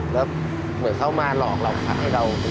แล้วเหมือนเขามาหลอกเราขายให้เราไปเช่า